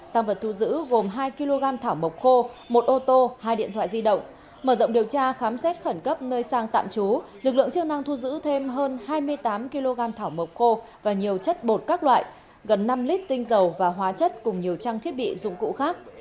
tăng vật thu giữ gồm hai kg thảo mộc khô một ô tô hai điện thoại di động mở rộng điều tra khám xét khẩn cấp nơi sang tạm trú lực lượng chức năng thu giữ thêm hơn hai mươi tám kg thảo mộc khô và nhiều chất bột các loại gần năm lít tinh dầu và hóa chất cùng nhiều trang thiết bị dụng cụ khác